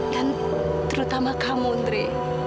dan terutama kamu ndre